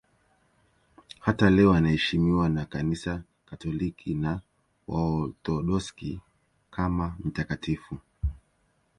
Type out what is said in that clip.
Hata leo anaheshimiwa na Kanisa Katoliki na Waorthodoksi kama mtakatifu.